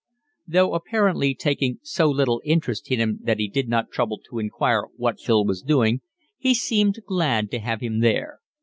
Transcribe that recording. Though apparently taking so little interest in him that he did not trouble to inquire what Phil was doing, he seemed glad to have him there.